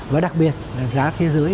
và đặc biệt là giá thế giới